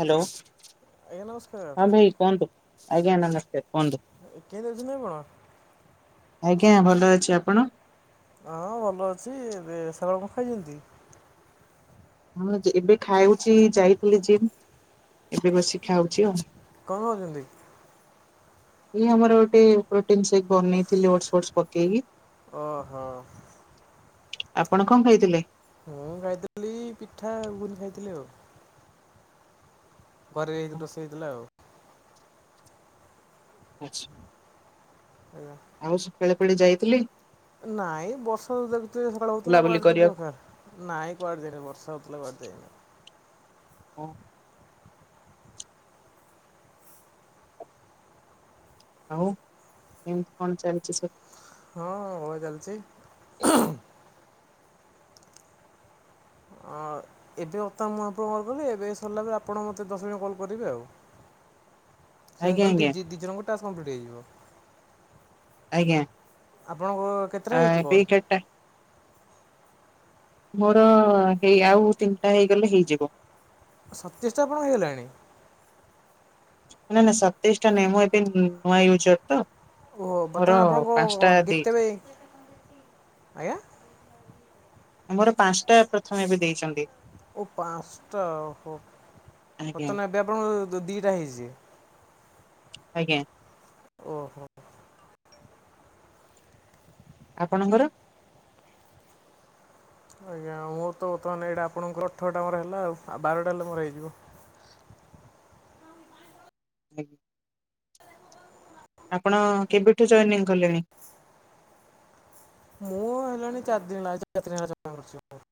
Hello ଆଜ୍ଞା ନମସ୍କାର ହଁ ଭାଇ କୁହନ୍ତୁ। ଆଜ୍ଞା ନମସ୍କାର। କୁହନ୍ତୁ କିଏ ଧରିଚନ୍ତି ଆପଣ? ଆଜ୍ଞା ଭଲ ଅଛି ଆପଣ? ହଁ ଭଲ ଅଛି ଏବେ ସାର ଆପ ଖାଇଛନ୍ତି। ହଁ ଏବେ ଖାଉଛି ଯାଇଥିଲି ଯିମ ଏବେ ବସିକି ଖାଉଛି ଆଉ। କଣ କହୁଛନ୍ତି? ଇ ଆମର ଗୋଟେ ପ୍ରୋଟିନ ସେକ୍ ବନେଇଥିଲି ଓର୍ସ ଫର୍ସ ପକେଇକି। ଓହୋ ଆପଣ କଣ ଖାଇଥିଲେ? ମୁଁ ଖାଇଥିଲି ପିଠା ଘୁଗୁନି ଖାଇଥିଲି ଆଉ। ଗରେ ଏଇକି ରୋଷେଇ ହେଇଥିଲା ଆଉ। ଆଚ୍ଛା। ଆଜ୍ଞା ଆଉ ସେ ପେଳେ ପେଳେ ଯାଇଥିଲି କି? ନାଇଁ ବର୍ଷା ତ ଦେଖୁଥିବେ ସକାଳୁ ହଉଥିଲା ବୁଲାବୁଲି କୁଆଡେ ଯିବୁ କରିବାକୁ? ଏଉଖା। ନାଇଁ କୁଆଡେ ଯାଇନି ବର୍ଷା ହଉଥିଲା କୁଆଡେ ଯାଇନି। ଅ‌। ଆଉ କେମିତି କଣ ଚାଲିଚି ସବୁ। ହଁ ଭଲ ଚାଲିଚି। [inaudible] ଅ ଏବେ ଅତା ମୁଁ ଆପଣଙ୍କୁ କଲ୍ କଲି ଏବେ ସରିଲା ପରେ ଆପଣ ମୋତେ ଦଶ ଜଣ କଲ୍ କରିବେ ଆଉ। ସେ ଆଜ୍ଞା କଲେ ଦି ଆଜ୍ଞା ଦି ଦି ଜଣଙ୍କୁ ଟାସ୍କ କଂପ୍ଲିଟ୍ ହେଇଯିବ। ଆଜ୍ଞା। ଆପଣଙ୍କ କେତେଟା ହେଇଛି ଏବେ କଲ୍? ଏଗାରଟା ମୋର ହେଇ ଆଉ ତିନିଟା ହେଇଗଲେ ହେଇଯିବ। ସତେଇସ୍ଟା ଆପଣ ହେଇଗଲାଣି? ନା ନା ସତେଇଶ୍ ଟା ନୁହଁ ମୁଁ ଏବେ ନୂଆ ୟୁଜର ତ। ଓ ମୋର ବର୍ତ୍ତମାନ ପାଞ୍ଚଟା ଆପଣଙ୍କ ଦେଇ ଗୀତ ରେ ଆଜ୍ଞା? ଆମର ପାଞ୍ଚଟା ପ୍ରଥମେ ଏବେ ଦେଇଛନ୍ତି। ଓ ପାଞ୍ଚଟା ଓହୋ ଆଜ୍ଞା ବର୍ତ୍ତମାନ ଏବେ ଆପଣ ଦ ଦିଟା ହେଇଛି। ଆଜ୍ଞା। ଓହୋ ଆପଣଙ୍କର? ଆଜ୍ଞା ମୋର ତ ବର୍ତ୍ତମାନ ଏଇଟା ଆପଣଙ୍କର ଅଠରଟା ମୋର ହେଲା ଆଉ ବାରଟା ହେଲେ ମୋର ହେଇଯିବ। ଆଜ୍ଞା। ଆପଣ କେବେଠୁ ଜଏନିଙ୍ଗି କଲେଣି? ମୁଁ ହେଲାଣି ଚାରି ଦିନ ହେଲା ଚାରିଦିନ ହେଲା ଜଏନିଙ୍ଗ କରିଛି।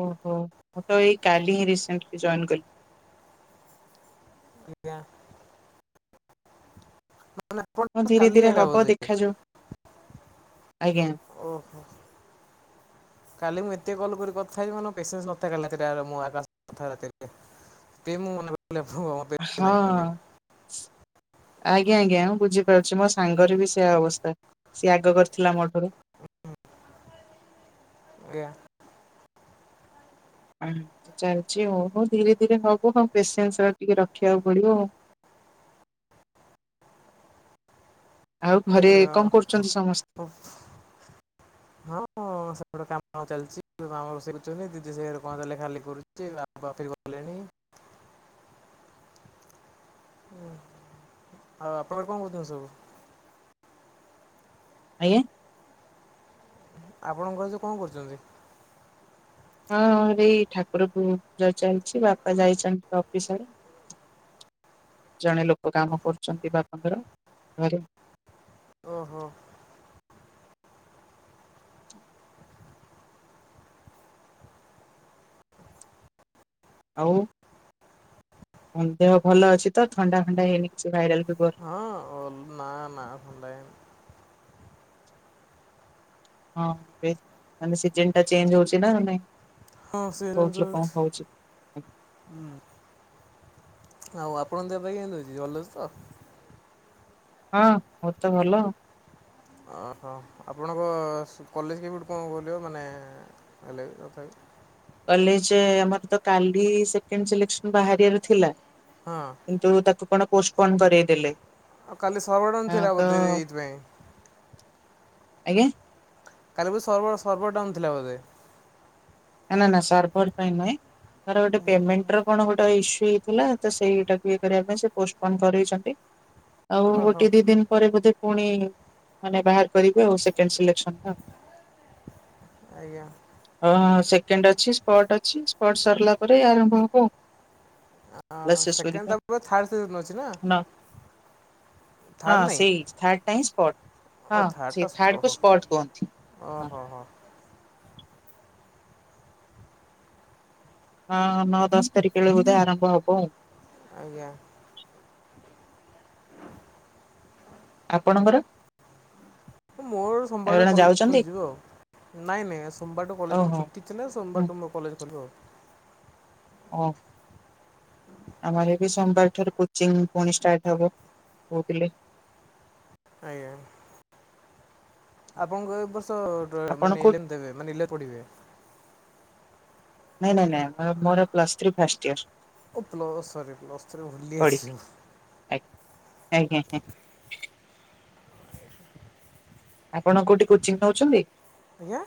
ଓହୋ ମୁଁ ତ ଏଇ କାଲି ରିସେଣ୍ଟିଲି ଜଏନ କଲି। ଆଜ୍ଞା। [unintelligible] ହଁ ଧୀରେ ଧୀରେ ଆଇଲା ହବ ବୋଧେ ଦେଖାଯାଉ ଆଜ୍ଞା। ଓହୋ। କାଲି ମୁଁ ଏତେ କଲ୍ କରି କଥା ହେଇଛି ମାନେ ମୋ ପେସେନ୍ସ ନଥାଏ କାଲି ରାତିଟା ମୁଁ ଆଉ କା କଥା ହେବାକୁ ରାତିରେ। ଟି ମୁଁ [unintelligible] ଭୁଅ। ହଁ। ଆଜ୍ଞା ଆଜ୍ଞା ମୁଁ ବୁଝିପାରୁଛି ମୋ ସାଙ୍ଗର ବି ସେୟା ଅବସ୍ଥା। ସିଏ ଆଗ କରିଥିଲା ମୋ ଠାରୁ। [unintelligible] ଆଜ୍ଞା। ଉଁ ଚାଲିଚି ଆଉ ହଉ ଧୀରେ ଧୀରେ ହବ ହଁ ପେସେନ୍ସ ର ଟିକେ ରଖିବାକୁ ପଡିବ ଆଉ। ଆଉ ଘରେ କଣ ଆଜ୍ଞା କରୁଚନ୍ତି ସମ ହଁ ସେ ପେଟ କାମ ଚାଲିଛି ମାମ ରୋଷେଇ କରୁଛନ୍ତି ଦିଦି ସେଘରେ କଣ ଲେଖା ଲେଖି କରୁଛି ବାପା କଫି ଗଲେଣି। ଉଁ ଆଉ ଆପଣ କଣ କରୁଛନ୍ତିି ସବୁ? ଆଜ୍ଞା? ଆପଣଙ୍କର ଘରେ ସବୁ କଣ କରୁଛନ୍ତି? ହଁ ରି ଠାକୁରକୁ ପୁଜା ଚାଲିଛି ବାପା ଯାଇଛନ୍ତି ଅଫିସ୍ ଆଡେ। ଜଣେ ଲୋକ କାମ କରୁଛନ୍ତି ବାପାଙ୍କର ଘରେ। ଓହୋ। ଆଉ? ହ ଦେହ ଭଲ ଅଛି ତ ଥଣ୍ଡା ଫଣ୍ଡା ହେଇନି କିଛି ଭାଇରାଲ ଫିବର? ହଁ ଓଲ ନାଁ ନାଁ ଭଲ ଲାଗେନି। ହଁ ଏବେ ମାନେ ସିଜନଟା ଚେଞ୍ଜ ହଉଛି ନା ମାନେ ହଁ ବହୁତ୍ ଲୋକ ହଉଚି। ହୁଁ। ଆଉ ଆପଣ ଦେହ ପାଇଁ କେମିତି ଅଛି ଭାଲ ତ? ହଁ ମୋ ତ ଭଲ। ଓ ହ ଆପଣଙ୍କ କଲେଜ କେବେଠୁ କ'ଣ ଖୁଲିବ ମାନେ ହେଲେ ବି ତଥାପି? କଲେଜ ଆମର ତ କାଲି ସେକେଣ୍ଡ ସିଲେକ୍ସନ ବାହାରିବାର ଥିଲା। ହଁ କିନ୍ତୁ ତାକୁ କ'ଣ ପୋଷ୍ଟପୋନ୍ କରେଇଦେଲେ। ଆଉ କାଲି ସରବର ଡାଉନ୍ ହଁ ଥିଲା ତ ବୋଧେ ଏଇଥିପାଇଁ। ଆଜ୍ଞା। କାଲି ବୁଧେ ସର୍ଭର୍ ସର୍ଭର ଡ଼ାଉନ୍ ଥିଲା ବୋଧେ। ନା ନା ନା ସର୍ଭର ପାଇଁ ନୁହେ। ତାର ଗୋଟେ ପେମେଣ୍ଟ ର କ'ଣ ଗୋଟେ ଇସ୍ୟୁ ହେଇଥିଲା ତ ସେଇଟାକୁ ଇଏ କରିବା ପାଇଁ ସେ ପୋଷ୍ଟପୋନ୍ କରେଇଛନ୍ତି। ଆଉ ଓହୋ ଗୋଟେ ଦି ଦିନ ପରେ ବୋଧେ ପୁଣି ମାନେ ବାହାର କରିବେ ଆଉ ସେକେଣ୍ଡ ସିଲେକସନ ଟା। ଆଜ୍ଞା ଓ ସେକେଣ୍ଡ ଅଛି ସ୍ପଟ ଅଛି ସ୍ପଟ ସରିଲା ପରେ ଆରମ୍ଭ ହବ। ଓୋ କ୍ଲାସେସ୍ କରିବା। ସେକେଣ୍ଡ ତା ଥାର୍ଡ ଅଛି ନା। ହଁ ଥାର୍ଡ଼ ନାହିଁ ସେଇ ଥାର୍ଡ ଟା ହଁ ସ୍ପଟ ହଁ ସେ ଥାର୍ଡ କୁ ସ୍ପଟ କୁହନ୍ତି। ଓ ହଁ ହୋ ହୋ। ହଁ ନଅ ଦଶ ତାରିଖ ବେଳେ ବଧେ ଆରମ୍ଭ ହବ। ଆଜ୍ଞା। ଆପଣଙ୍କର? ମୋର ସୋମବାରଠୁ ଆପଣ କଲେଜ ଯାଉଛନ୍ତି ଖୋଲିଯିବ ଆଉ ନାଇଁ ନାଇଁ ସୋମବାରଠୁ କଲେଜ ଓହୋ। ଛୁଟି। ନା ହୁଁ ସୋମବାର ମୁଁ କଲେଜ ଖଲିବ ଆଉ। ଓ। ଆମର ବି ସୋମବାର ଠାରୁ କୋଚିଂ ପୁଣି ଷ୍ଟାର୍ଟ ହବ କହୁଥିଲେ। ଆଜ୍ଞାା। ଆପଣଙ୍କୁ ଏ ବର୍ଷ ଆପଣ ମାନେ କୋଉ ଇଲେ ଦେବେ ମାନେଲେ ପଡ଼ିବେ। ନାଇଁ ନାଇଁ ନାଇଁ ମୋର ପ୍ଲସ ଥ୍ରୀ ଫାଷ୍ଟ ଇୟର। ଓ ପ୍ଲସ୍ ସରି ପ୍ଲସ୍ ଥ୍ରୀ ଭୁଲି ପଢିବି ଯାଇଥିଲି ମୁଁ। ଆଜ୍ଞା ଆଜ୍ଞା ହଁ। ଆପଣ କୋଉଠି କୋଚିଂ ନଉଛନ୍ତି? ଆଜ୍ଞା।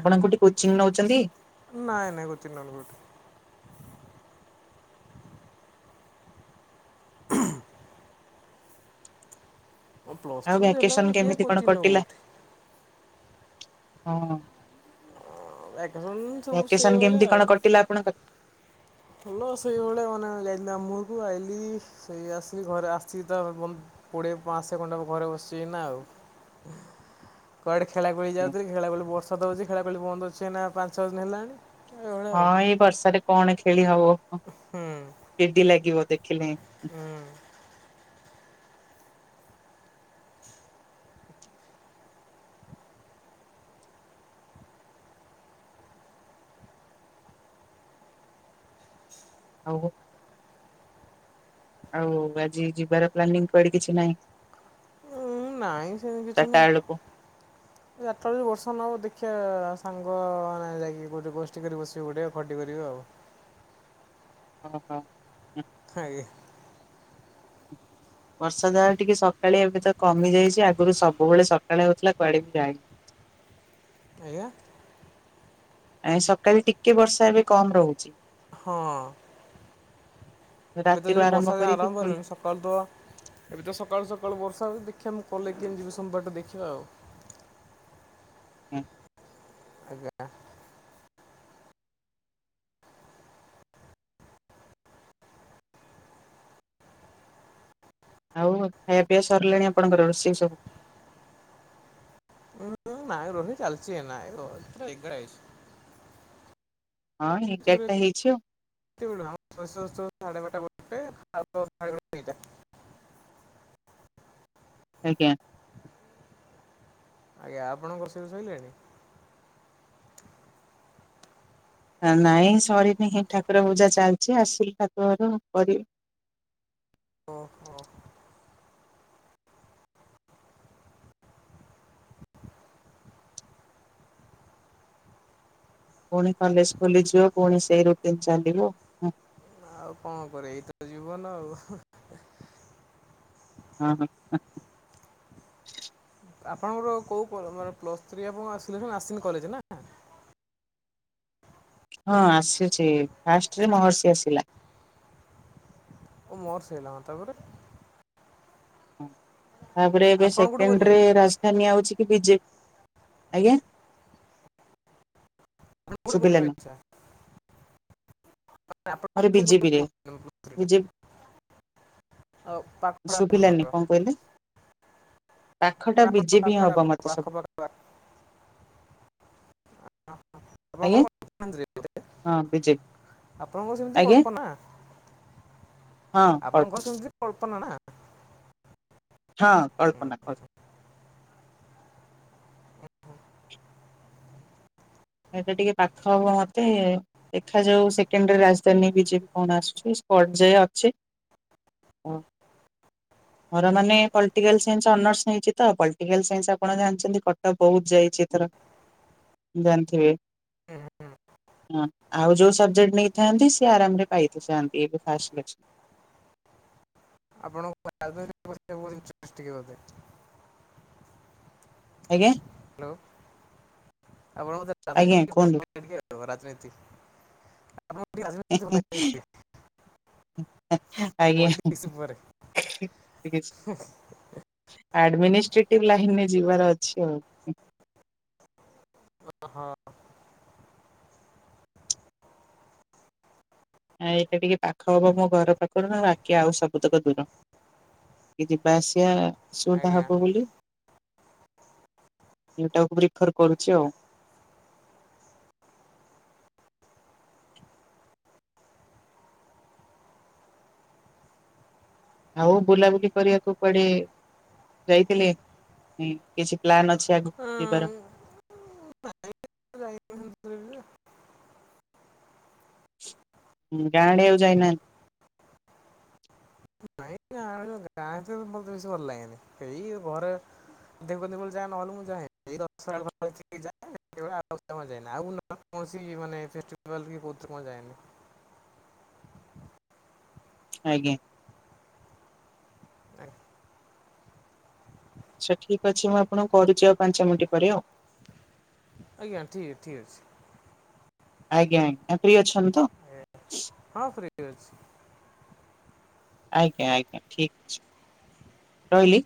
ଆପଣ କୋଉଠି କୋଚିଂ ନଉଛନ୍ତି? ନାଇଁ ନାଇଁ କୋଉଠି? ପ୍ଲସ୍ ଆଉ ଥ୍ରୀ ହେଲା ଭ୍ୟାକେସନ ମାନେ କିଏ କେମିତି କ'ଣ କୋଚିଂ ନବ କଟିଲା କୋଉଠି। ହଁ ବ୍ୟାକଗ୍ରାଉଣ୍ଡ ସବୁ ଭ୍ୟାକେସନ ସେଇଭଳିଆ କେମତି ଆଉ। କ'ଣ କଟିଲା ଆପଣଙ୍କର? ଭଲ ସେଇଭଳିଆ ମାନେ ଯାଇଥିଲି ଆମୁରକୁ ଆଇଲିି ସେଇ ଆସିକି ଘରେ ଆସିକି ତ କୋଡ଼ିଏ ମାସେ ଖଣ୍ଡେ ହବ ଘରେ ବସିବି ଏଇନା ଆଉ। କୁଆଡେ ଖେଳା ଖୁଳି ଯାଉଥିଲି ଖେଳା ଖୋଳି ବର୍ଷା ତ ହଉଚି ଖେଳା ଖେଳି ବନ୍ଦ ଅଛି ଏଇନା ପାଞ୍ଚ ଛଅଦିନ ହେଲାଣି। ଏଇଭଳିଆ ଆଉ ହଁ ଏ ବର୍ଷାରେ କ'ଣ ଖେଳି ହବ ହୁଁ ଚିଡି ଲାଗିବ ଦେଖିଲେ। ହୁଁ ଆଉ ଆଉ ଆଜି ଯିବାର ପ୍ଲାନିଙ୍ଗ କୁଆଡେ କିଛି ନାହିଁ। ଉଁ ନାଇଁ ସେମିତି କିଛି ଚାରିଟା ନାଇଁ ବେଳକୁ ଚାରଟା ବେଳେ ବର୍ଷା ନହବ ଦେଖିଆ ସାଙ୍ଗମାନେ ଯାଇକି ଗୋଟେ ଗୋଷ୍ଠୀ କରି ବସିବୁ ଗୋଟେ ଖଟି କରିବେ ଆଉ। ଓହୋ ଆଜ୍ଞା ବର୍ଷା ଯା ହଉ ଟିକେ ସକାଳିଆ ଏବେ ତ କମି ଯାଇଛି ଆଗୁରୁ ସବୁବେଳେ ସକାଳେ ହଉଥିଲା କୁଆଡେ ବି ଯାଇନି। ଆଜ୍ଞା ଆ ସକାଳେ ଟିକେ ବର୍ଷା ଏବେ କମ୍ ରହୁଚି। ହଁ ଏବେ ତ ରାତିରୁ ଯାଏ ବର୍ଷା ତ କରିକି ଆରମ୍ଭ ପୁଣି ହେଲାଣି ସ କରିଦବ ଏବେ ତ ସକାଳୁ ସକାଳୁ ବର୍ଷା ହଉଚି ଦେଖିଆ ମୁଁ କଲେକ୍ କେମିତି ଯିବି ସୋମବାର ଟୁ ଦେଖିବା ଆଉ ହୁଁ। ଆଜ୍ଞା। ଆଉ ଖାଇବା ପିଇଆ ସରିଲାଣି ଆପଣଙ୍କର ରୋଷେଇ ସବୁ? [unintelligible] ହଁ ଏଗାର୍ ଟା ହେଇଚି ଆଉ। [unintelligible] ସାଢେ ବାରଟା ଗୋଟେ [unintelligible] ଖାଇଲା ବଳକୁ ଦି ଟା। ଆଜ୍ଞା। ଆଜ୍ଞା ଆପଣଙ୍କ ରୋଷେଇ ସଇଲାଣି? ନାଇଁ ସରିନି ହିଁ ଠାକୁର ପୂଜା ଚାଲିଚି ଆସିଲି ଠାକୁର ଘରୁ କରିବି। ଓହୋ ପୁଣି କଲେଜ୍ ଖୋଲିଯିବ ପୁଣି ସେଇ ରୁଟିନ୍ ଚାଲିବ। ଆଉ କଣ କରିଆ ଏଇତ ଜିବ -ବନ ଆଉ। ହଁ- ଆପଣଙ୍କର କଉ କ- ମାନେ ପ୍ଲସ୍ ଥ୍ରୀ ହବ ସିଲେକ୍ସନ୍ ଆସିନି କଲେଜ ନାଁ? ହଁ ଆସିଚି ଫାଷ୍ଟ୍ ରେ ମହର୍ଷି ଆସିଲା। ଓ ମହର୍ଷି ଅଆଇଲା ଅଁ- ତାପରେ ତାପରେ ଏବେ ଆପଣ କୋଉଠି ସେକେଣ୍ଡ୍ ରେ କରିଛନ୍ତି ରାଜଧାନୀ ଆଉଚି କି ବିଜେ- ଆଜ୍ଞା। ଆପଣ କୋଉଠି କରିବେ ଶୁବିଲାନି। ଇଚ୍ଛା ଆପଣ ମୋର କୋଉଠି କରୁଛନ୍ତି ବିଜେପି ରେ ପ୍ଲସ୍ ଥ୍ରୀଟା ବିଜେ [unintelligible] ଶୁଭିଲାନି କଣ କହିଲେ ପାଖଟା ମାନେ ଆପଣଙ୍କ ବିଜେପି ପାଖଟା ହବ ମତେ ସବୁ [inaudible] ଆଜ୍ଞା କଳ୍ପନାନ୍ଦ୍ରୀ। ହଁ ବିଜେ ଆପଣଙ୍କର ସେମିତି କଳ୍ପନା ହଁ କଳ୍ପ- ଆପଣଙ୍କର ସେମିତି କଳ୍ପନା ନା? ହଁ ହୁଁ, କଳ୍ପନା କଳ୍ ଏଟା ଟିକେ ପାଖ ହବ ମତେ ଦେଖାଯାଉ ସେକେଣ୍ଡ୍ ରେ ରାଜଧାନୀ ବିଜେ- କଣ ଆସୁଚି ସ୍ପଟ୍ ଯାଏ ଅଛି ହଁ। ମୋର ମାନେ ପଲ୍ଟିକାଲ୍ ସାଇନ୍ସ୍ ଅନର୍ସ ନେଇଚି ତ ପଲ୍ଟିକାଲ୍ ସାଇନ୍ସ୍ ଆପଣ ଜାଣିଚନ୍ତି କଟକ ବହୁତ୍ ଯାଇଚି ଏଥର। ଜାଣିଥିବେ। ହୁଁ। ହଁ ଆଉ ଯଉ ସବଜେକ୍ଟ୍ ନେଇଥାନ୍ତି ସେ ଆରାମ୍ ରେ ପାଇଥାନ୍ତି ଏବେ [unintelligible] ଆପଣ [unintelligible] ବୋଧେ। ଆଜ୍ଞା- ହାଲୋ ଆପଣ ମତେ ଆଜ୍ଞା [unintelligible] କୁହନ୍ତୁ ତମ ରାଜନୀତି। ଆପଣ [unintelligible] [inaudible] ହିଁ -ହିଁ ଆଜ୍ଞା। ପଲିଟିକ୍ସ ଉପରେ ଆଡମିନିଷ୍ଟିଟିଭ୍ ଲାଇନ୍ ରେ ଯିବାର ଅଛି ଆଉ। ଓ-ହଁ। ଆ ଏଇଟା ଟିକେ ପାଖ ହବ ମୋ ଘର ପାଖରୁ ନା ବାକି ଆଉ ସବୁତକ ଦୂର। କି ଯିବା ଆସିବା ଅସୁବିଧା ଆଜ୍ଞା ହବ ବୋଲି ଏଟାକୁ ରିଫର୍ କରୁଚି ଆଉ। ଆଉ ବୁଲାବୁଲି କରିବାକୁ ପଡେ ଯାଇଥିଲେ ଉଁ -କିଛି ପ୍ଲାନ୍ ଅଛି ଆଗକୁ ଯିବାର? ନାଇଁ ଗାଁ ହୁଁ- ଗାଁ ଆଡେ ଆଉ ଯାଇନାହାନ୍ତି। ନାଁ [unintelligible] ମତେ ବେଶୀ ଭଲ ଲାଗେନି, ଏଇ ଘରେ ଦେଖନ୍ତଳେ ଯାଏ ନହେଲେ ମୁଁ ଯାଏନି ଆଉ [unintelligible] କୌଣସି ମାନେ ଫେଷ୍ଟିଭାଲ କି କୋଉଥିରେ କଣ ଯାଏନି। ଆଜ୍ଞା। ଆ ଆଛା ଠିକ ଅଛି ମୁଁ ଆପଣଙ୍କୁ କରୁଛି ଆଉ ପାଞ୍ଚ ମିନିଟ୍ ପରେ ଆଉ। ଆଜ୍ଞା ଠିକ ଅଛି ଠିକ ଅଛି। ଆଜ୍ଞା ଆଜ୍ଞା ଫ୍ରି ଅଛନ୍ତି ତ? ହଁ ଫ୍ରି ଅଛି ଆଜ୍ଞା ଆଜ୍ଞା ଠିକ ଅଛି। [inaudible] ରହିଲି।